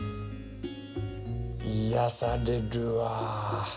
癒やされるわ。